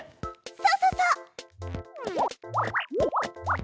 そうそうそう！